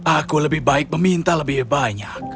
aku lebih baik meminta lebih banyak